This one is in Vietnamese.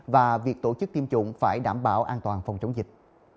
và việc tổ chức tiêm chủng phải đảm bảo an toàn phòng chống dịch